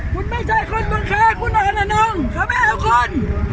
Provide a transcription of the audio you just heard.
คุณไม่ใช่คนบนเคคุณอาณานงค์เขาไม่เอาคน